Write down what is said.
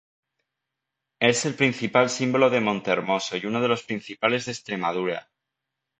Es el principal símbolo de Montehermoso y uno de los principales de Extremadura.